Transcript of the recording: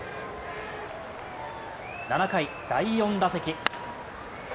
７回、第４打席。